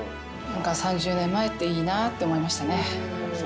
３０年前っていいなって思いましたね。